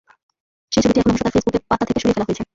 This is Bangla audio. সেই ছবিটি এখন অবশ্য তাঁর ফেসবুক পাতা থেকে সরিয়ে ফেলা হয়েছে।